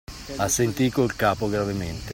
Assentí col capo gravemente.